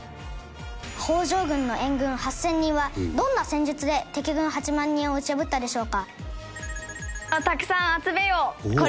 北条軍の援軍８０００人はどんな戦術で敵軍８万人を打ち破ったでしょうか？